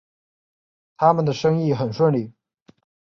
他们的生意很顺利